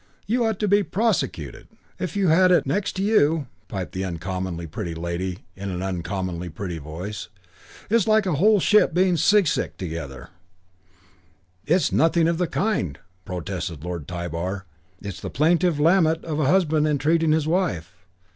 "You ought to be prosecuted!" "If you'd had it next to you!" piped the uncommonly pretty lady in an uncommonly pretty voice. "It's like a whole ship being seasick together." "It's nothing of the kind," protested Lord Tybar. "It's the plaintive lament of a husband entreating his wife."